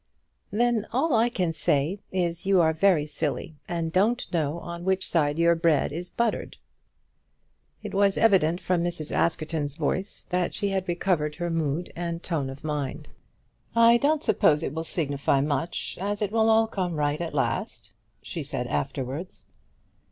"Then all I can say is you are very silly, and don't know on which side your bread is buttered." It was evident from Mrs. Askerton's voice that she had recovered her mood and tone of mind. "I don't suppose it will much signify, as it will all come right at last," she said afterwards.